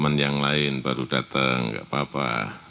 mendjeng leaking baru datang enggak papa